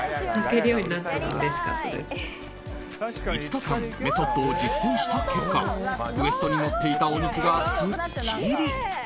５日間メソッドを実践した結果ウエストに乗っていたお肉がすっきり。